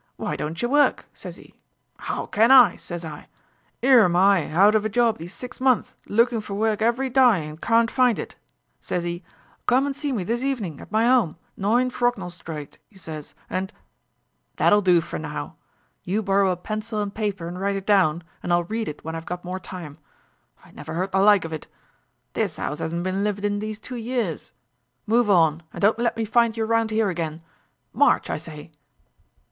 W'y don'cher work?' sezee. ''Ow can I?' sez I. ''Ere'm I hout of a job these six months, lookin' fer work every dye an' carn't find it.' Sezee, 'Come an' see me this hevenin' at me home, Noine, Frognall Stryte,' 'e sez, an' " "That'll do for now. You borrow a pencil and paper and write it down and I'll read it when I've got more time; I never heard the like of it. This 'ouse hasn't been lived in these two years. Move on, and don't let me find you round 'ere again. March, I say!"